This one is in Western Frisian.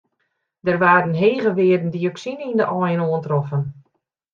Der waarden hege wearden dioksine yn de aaien oantroffen.